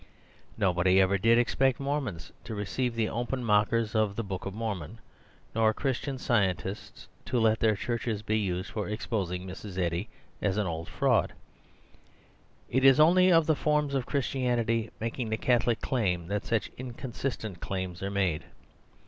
Nobody ever did expect Mor mons to receive the open mockers of the Book of Mormon, nor Christian Scientists to let their churches be used for exposing Mrs. Eddy as an old fraud. It is only of the forms of Christianity making the Catholic claim that such inconsistent claims are made.